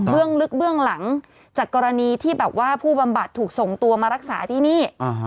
ลึกเบื้องหลังจากกรณีที่แบบว่าผู้บำบัดถูกส่งตัวมารักษาที่นี่